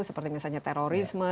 seperti misalnya terorisme